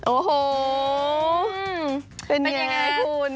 โอ้โหเป็นยังไงคุณ